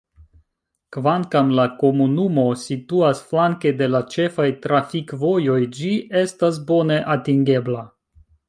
Kvankam la komunumo situas flanke de la ĉefaj trafikvojoj ĝi estas bone atingebla.